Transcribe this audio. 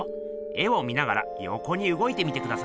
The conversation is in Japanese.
絵を見ながらよこにうごいてみてくださいよ。